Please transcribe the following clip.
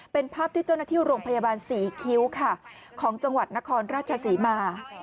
เป็นภาพที่เจ้าหน้าที่โรงพยาบาลศรีคิ้วค่ะของจังหวัดนครราชศรีมา